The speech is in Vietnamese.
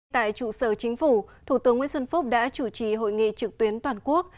tại trụ sở chính phủ thủ tướng nguyễn xuân phúc đã chủ trì hội nghị trực tuyến toàn quốc